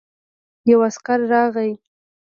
يو عسکر راغی.